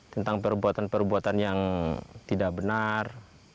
tentang perbuatan perbuatan yang tidak benar